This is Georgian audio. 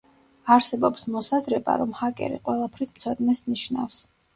არსებობს მოსაზრება რომ ჰაკერი „ყველაფრის მცოდნეს“ ნიშნავს.